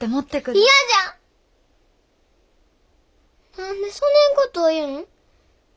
何でそねんことを言ん？